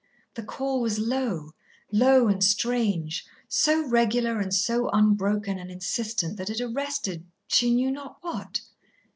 The call was low, low and strange, so regular and so unbroken and insistent, that it arrested, she knew not what.